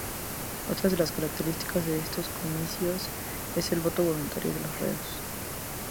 Otras de las características de estos comicios es el voto voluntario de los reos.